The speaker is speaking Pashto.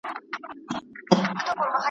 خان سهار وو نوی آس مډال ګټلی .